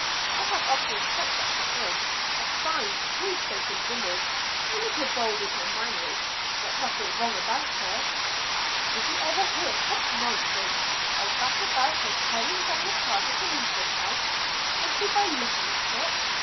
"I have often stopped at her Inn. A fine, free spoken woman; a little bold in her manners, but nothing wrong about her." "Did you ever hear such nonsense as that about her tearing down a part of the meeting house simply by looking at it?